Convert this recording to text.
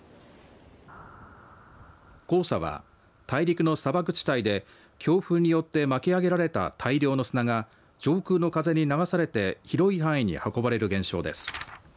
黄砂は大陸の砂漠地帯で強風によって巻き上げられた大量の砂が上空の風に流されて広い範囲に運ばれる現象です。